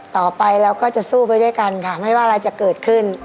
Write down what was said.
ต่อไปเราก็จะสู้ไปด้วยกันค่ะไม่ว่าอะไรจะเกิดขึ้น